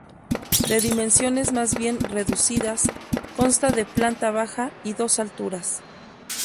De dimensiones más bien reducidas, consta de planta baja y dos alturas.